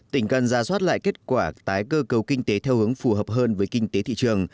tỉnh cần ra soát lại kết quả tái cơ cấu kinh tế theo hướng phù hợp hơn với kinh tế thị trường